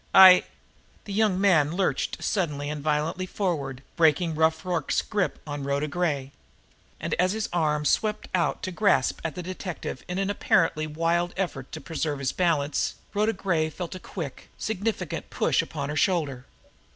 I " The young man lurched suddenly and violently forward, breaking Rough Rorke's grip on Rhoda Gray and, as his arms swept out to grasp at the detective in an apparently wild effort to preserve his balance, Rhoda Gray felt a quick, significant push upon her shoulder.